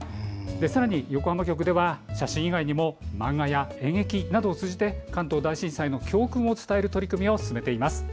さらに横浜局では写真以外にも漫画や演劇などを通じて関東大震災の教訓を伝える取り組みを進めています。